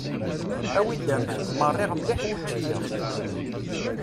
Awi-d aman, merriɣ mliḥ wučči-a.